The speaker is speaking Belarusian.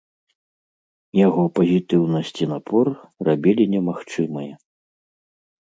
Яго пазітыўнасць і напор рабілі немагчымае.